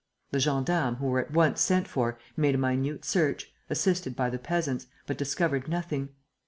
The gendarmes, who were at once sent for, made a minute search, assisted by the peasants, but discovered nothing.